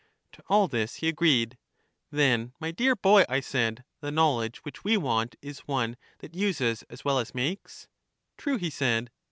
To all this he agreed. Then, my dear boy, I said, the knowledge which we want is one that uses as well as makes? True, he said.